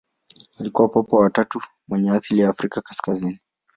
Alikuwa Papa wa tatu mwenye asili ya Afrika kaskazini.